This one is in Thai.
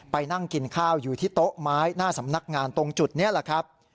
ไปนั่งกินข้าวอยู่ที่โต๊ะไม้หน้าสำนักงานตรงจุดนี้แหละครับ